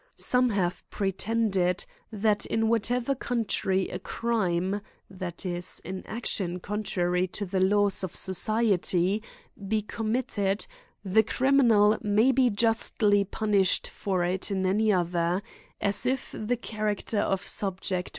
Some have pretende*d, that in whatever coun trv a crime, that is, an action contrary to the laws GRIMES AND PUNISHMENTS. 135 of society, be committed, the criminal may be justly punislVed for it in any other; as if the cha racter of subject w.